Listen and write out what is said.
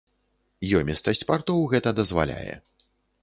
Ёмістасць партоў гэта дазваляе.